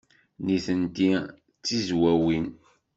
Nitenti d Tizwawin.